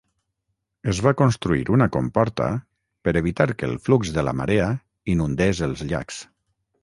Es va construir una comporta per evitar que el flux de la marea inundés els llacs.